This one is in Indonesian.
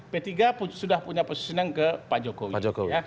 p tiga sudah punya positioning ke pak jokowi